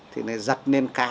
thì này giật lên cá